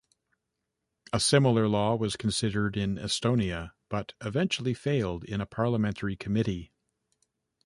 A similar law was considered in Estonia, but eventually failed in a parliamentary committee.